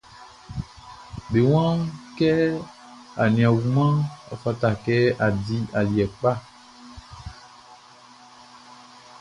Be waan kɛ a nin a wumanʼn, ɔ fata kɛ a di aliɛ kpa.